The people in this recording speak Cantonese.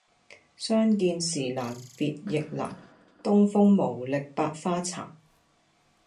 相見時難別亦難，東風無力百花殘。